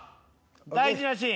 大事なシーン。